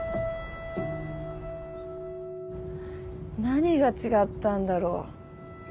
何が違ったんだろう。